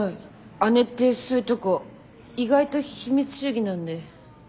姉ってそういうとこ意外と秘密主義なんで。